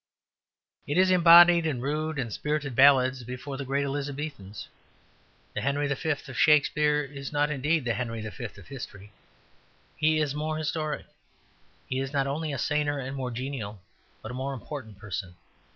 It is embodied in rude and spirited ballads before the great Elizabethans. The Henry V. of Shakespeare is not indeed the Henry V. of history; yet he is more historic. He is not only a saner and more genial but a more important person.